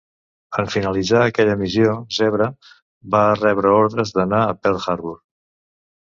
En finalitzar aquella missió "Zebra" va rebre ordres d'anar a Pearl Harbor.